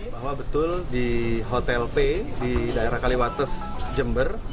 bahwa betul di hotel p di daerah kaliwates jember